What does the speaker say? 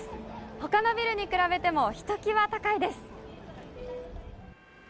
他のビルに比べてもひときわ高いです。